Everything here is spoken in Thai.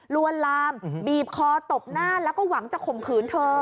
ลวนลามบีบคอตบหน้าแล้วก็หวังจะข่มขืนเธอ